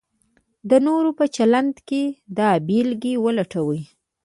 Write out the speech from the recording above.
د نورو په چلند کې دا بېلګې ولټوئ: